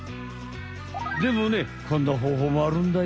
でもねこんな方法もあるんだよ。